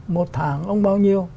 một tháng ông bao nhiêu